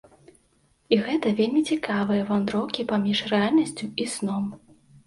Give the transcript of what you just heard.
І гэта вельмі цікавыя вандроўкі паміж рэальнасцю і сном.